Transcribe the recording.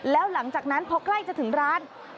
แล้วหลังจากนั้นพอใกล้จะถึงร้าน